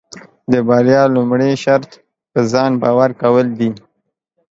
د بریا لومړی شرط پۀ ځان باور کول دي.